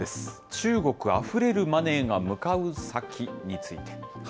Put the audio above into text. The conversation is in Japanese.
中国あふれるマネーが向かう先について。